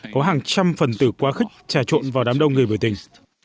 có hàng trăm phần tử quá khích trà trộn vào đám đông người biểu tình